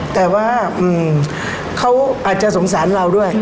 แต่ว่าเขาอาจจะสงสารเราด้วย